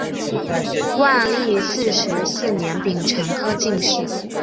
万历四十四年丙辰科进士。